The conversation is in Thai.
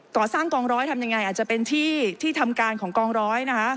ก่อสร้างกองร้อยทำยังไงอาจจะเป็นที่ที่ทำการของกองร้อยนะคะ